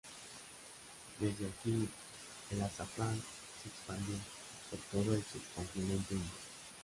Desde aquí, el azafrán se expandió por todo el subcontinente indio.